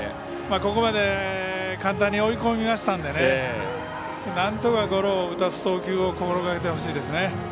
ここまで簡単に追い込みましたんでなんとか、ゴロに打たす投球を心がけてほしいですね。